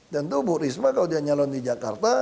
dan itu bu risma kalau dia menyalon di jakarta